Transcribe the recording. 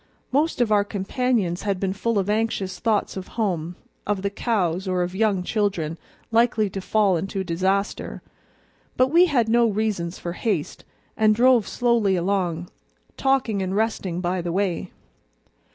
Most of our companions had been full of anxious thoughts of home, of the cows, or of young children likely to fall into disaster, but we had no reasons for haste, and drove slowly along, talking and resting by the way.